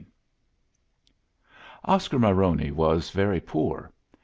III Oscar Maironi was very poor.